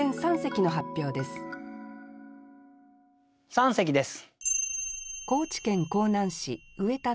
三席です。